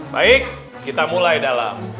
baik kita mulai dalam